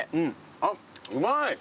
あっうまい！